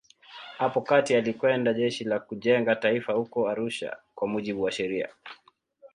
Hapo kati alikwenda Jeshi la Kujenga Taifa huko Arusha kwa mujibu wa sheria.